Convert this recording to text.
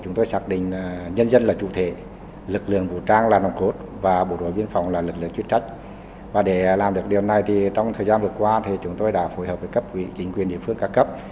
chúng tôi đã phối hợp với các chính quyền địa phương cao cấp